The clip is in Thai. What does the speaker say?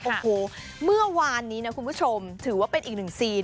โอ้โหเมื่อวานนี้นะคุณผู้ชมถือว่าเป็นอีกหนึ่งซีน